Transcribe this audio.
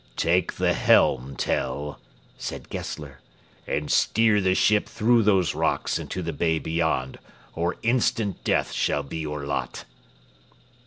"Take the helm, Tell," said Gessler, "and steer the ship through those rocks into the bay beyond, or instant death shall be your lot."